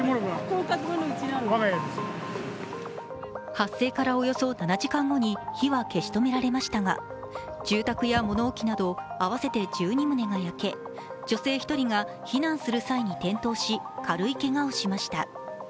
発生からおよそ７時間後に火は消し止められましたが、住宅や物置など合わせて１２棟が焼け女性１人が避難する際に転倒し軽いけがをしました。